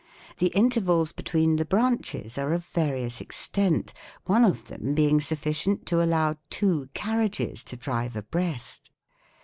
The intervals between the branches are of various extent, one of them being sufficient to allow two carriages to drive abreast.